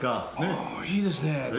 ああいいですね。